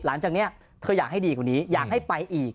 หลังจากนี้เธออยากให้ดีกว่านี้อยากให้ไปอีก